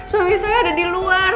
suami saya ada di luar